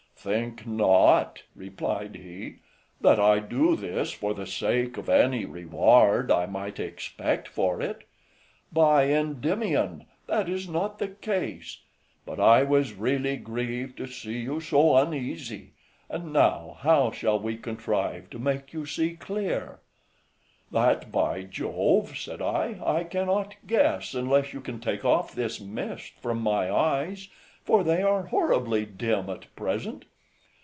"Think not," replied he, "that I do this for the sake of any reward I might expect for it; by Endymion, that is not the case, but I was really grieved to see you so uneasy: and now, how shall we contrive to make you see clear?" "That, by Jove," said I, "I cannot guess, unless you can take off this mist from my eyes, for they are horribly dim at present."